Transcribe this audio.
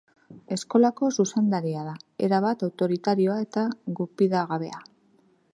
Eskolako zuzendaria da, erabat autoritarioa eta gupida-gabea.